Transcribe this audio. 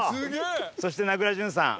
そして名倉潤さん。